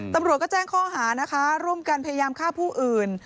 ตำรวจก็แจ้งข้อหานะคะร่วมกันพยายามฆ่าผู้อื่น